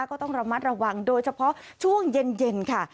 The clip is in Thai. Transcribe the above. ก็ต้องระมัดระวังโดยเฉพาะช่วงเย็นค่ะ